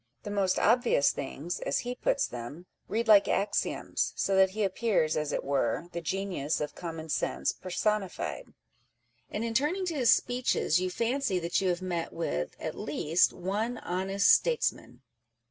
The most obvious things, as he puts them, read like axioms â€" so that he appears, as it were, the genius of common sense personified ; and in turning to his speeches you fancy that you have met with (at least) one honest statesman